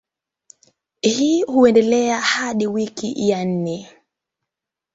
Hii huendelea hadi wiki ya nne.